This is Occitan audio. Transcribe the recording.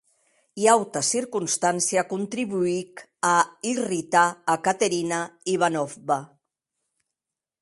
Ua auta circonstància contribuic a irritar a Caterina Ivanovna.